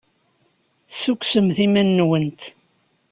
Ssukksemt iman-nwent.